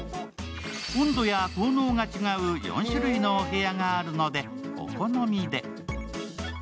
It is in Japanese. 温度や効能が違う４種類のお部屋があるのでお好みで。